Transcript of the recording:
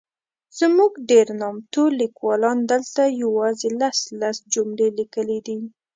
زموږ ډېر نامتو لیکوالانو دلته یوازي لس ،لس جملې لیکلي دي.